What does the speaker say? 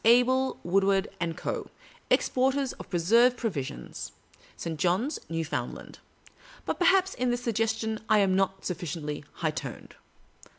Abel Wood ward & Co., exporters of preserved provisions, St. John's, New foundland. But, perhaps, iu this suggestion I am not suflSciently high toned.